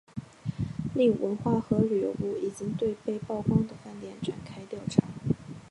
另文化和旅游部已经对被曝光的饭店展开调查。